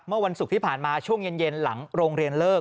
เมื่อวันศุกร์ที่ผ่านมาช่วงเย็นหลังโรงเรียนเลิก